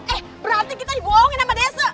eh berarti kita dibohongin sama desa